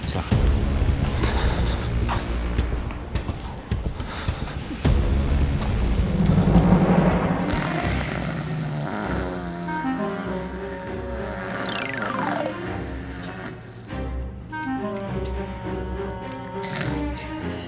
jangan lupa pak